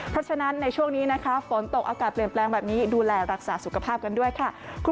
เพราะฉะนั้นในช่วงนี้นะคะฝนตกอากาศเปลี่ยนแปลงแบบนี้ดูแลรักษาสุขภาพกันด้วยค่ะ